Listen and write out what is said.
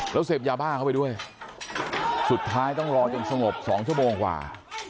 แล้วเสพยาบ้าเข้าไปด้วยสุดท้ายต้องรอจนสงบ๒ชั่วโมงกว่า